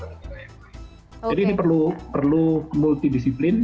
oke jadi ini perlu multidisipasi